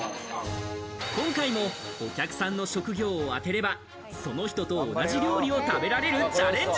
今回もお客さんの職業を当てれば、その人と同じ料理を食べられるチャレンジ。